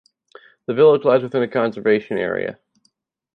The village lies within a conservation area.